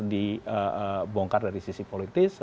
dibongkar dari sisi politis